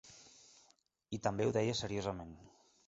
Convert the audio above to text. I també ho deia seriosament.